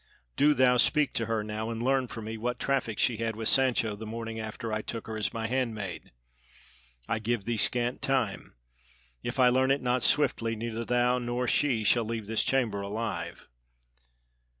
Do thou speak to her now and learn for me what traffic she had with Sancho the morning after I took her as my handmaid. I give thee scant time; if I learn it not swiftly neither thou nor she shall leave this chamber alive!"